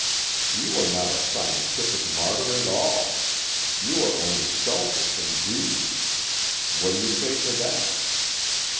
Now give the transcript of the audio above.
You are not a scientific martyr at all. You are only selfish and greedy. What do you say to that